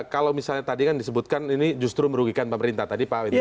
kalau misalnya tadi kan disebutkan ini justru merugikan pemerintah tadi pak widya